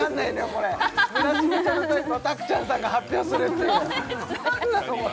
これ村重ちゃんのタイプをたくちゃんさんが発表するって何なのこれ？